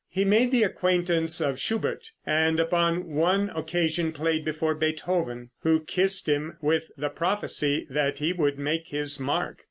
He made the acquaintance of Schubert, and upon one occasion played before Beethoven, who kissed him, with the prophecy that he would make his mark.